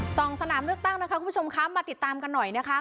สองสนามเลือกตั้งนะคะคุณผู้ชมคะมาติดตามกันหน่อยนะคะ